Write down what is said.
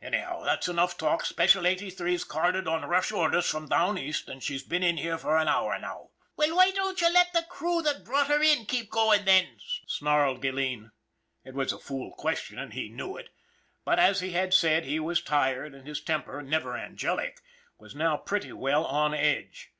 Anyhow, that's enough talk. Special Eighty three's carded on rush orders from down East, and she's been in here an hour now." " Well, why didn't you let the crew that brought her in keep goin' then ?" snarled Gilleen. It was a fool question and he knew it; but, as he had said, he was tired, and his temper, never angelic, was now pretty well on edge.